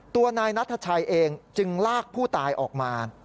ตัวนายนัทชัยเองจึงลากผู้ตายออกมา